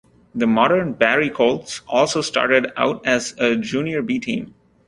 The modern Barrie Colts also started out as a Junior B team.